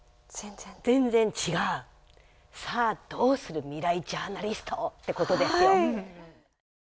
さあどうするみらいジャーナリスト！ってことですよ。